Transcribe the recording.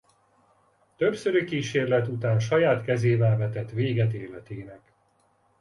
Többszöri kísérlet után saját kezével vetett véget életének.